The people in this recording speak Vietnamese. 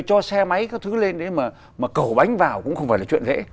cho xe máy các thứ lên đấy mà cẩu bánh vào cũng không phải là chuyện thế